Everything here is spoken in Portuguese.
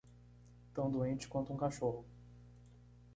Tão doente quanto um cachorro.